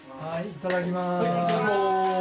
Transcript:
いただきます。